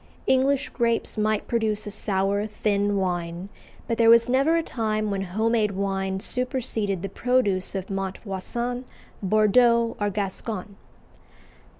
English grapes might produce a sour, thin wine, but there was never a time when home made wine superseded the produce of Montvoisin, Bordeaux, or Gascony.